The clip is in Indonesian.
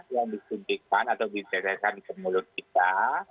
yang disuntikan atau disedekan ke mulut kita